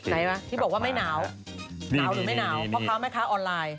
ไหนวะที่บอกว่าไม่หนาวหนาวหรือไม่หนาวพ่อค้าแม่ค้าออนไลน์